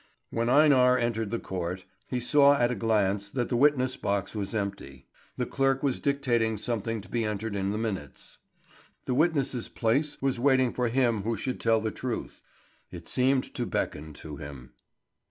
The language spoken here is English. When Einar entered the court, he saw at a glance that the witness box was empty. The clerk was dictating something to be entered in the minutes. The witness's place was waiting for him who should tell the truth. It seemed to beckon to him.